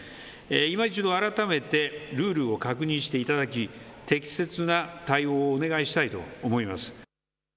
いま一度、改めてルールを確認していただき、適切な対応をお願いしたいと思います。